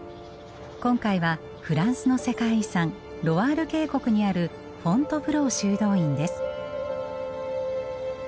今回はフランスの世界遺産ロワール渓谷にあるフォントヴロー修道院です。